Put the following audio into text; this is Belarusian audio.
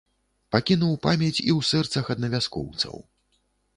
Пакінуў памяць і ў сэрцах аднавяскоўцаў.